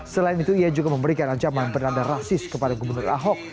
selain itu ia juga memberikan ancaman bernanda rasis kepada gubernur ahok